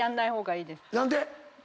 何で？